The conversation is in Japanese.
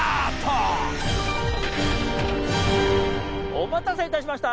お待たせいたしました！